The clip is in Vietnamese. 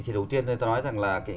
thì đầu tiên chúng ta nói rằng là